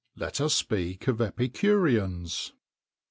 Let us speak of epicureans.